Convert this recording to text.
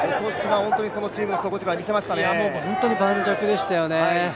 本当に盤石でしたよね。